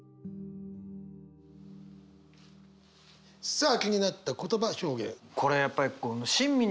さあ気になった言葉表現。